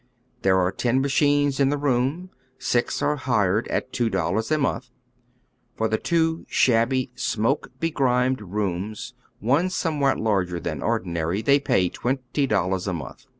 There ai e ten machines in the room ; six are hired at two dollars a month. For tJie two shabby, smoke begrimed i ooms, one somewhat larger than ordinary, they pay twenty dollars a month.